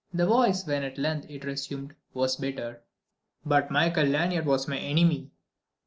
The voice, when at length it resumed, was bitter. "But Michael Lanyard was my enemy